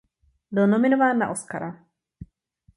Byl nominován na Oscara.